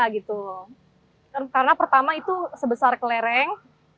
karena pertama itu sebesar kelereng